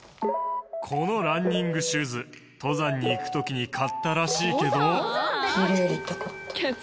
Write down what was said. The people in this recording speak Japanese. このランニングシューズ登山に行く時に買ったらしいけど。